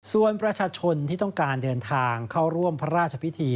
ส่วนประชาชนที่ต้องการเดินทางเข้าร่วมพระราชพิธี